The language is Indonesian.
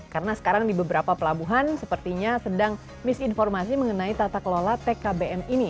karena sekarang di beberapa pelabuhan sepertinya sedang misinformasi mengenai tata kelola tkbm ini